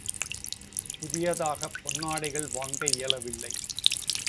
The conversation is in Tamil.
புதியதாகப் பொன்னாடைகள் வாங்க இயலவில்லை.